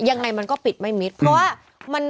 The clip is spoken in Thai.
ยังไงมันก็ปิดไม่มิดเพราะว่ามัน